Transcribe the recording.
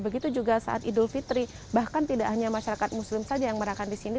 begitu juga saat idul fitri bahkan tidak hanya masyarakat muslim saja yang merayakan di sini